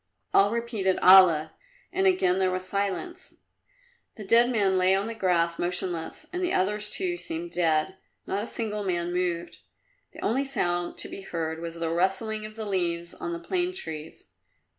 All repeated "Allah!" and again there was silence. The dead man lay on the grass motionless and the others, too, seemed dead. Not a single man moved. The only sound to be heard was the rustling of the leaves on the plane trees.